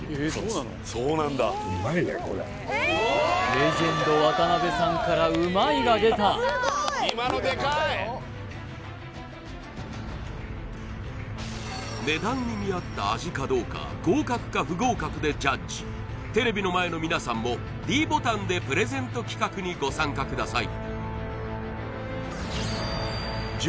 レジェンド渡邉さんからうまいが出た値段に見合った味かどうか合格か不合格でジャッジテレビの前の皆さんもｄボタンでプレゼント企画にご参加ください